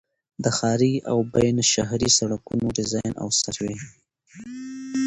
د ښاري او بینالشهري سړکونو ډيزاين او سروې